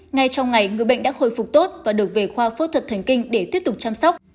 ngay trong ngày người bệnh đã khôi phục tốt và được về khoa phẫu thuật thần kinh để tiếp tục chăm sóc